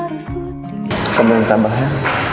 kamu ingin tambah ya